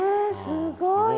すごい。